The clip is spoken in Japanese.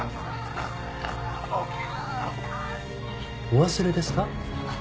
お忘れですか？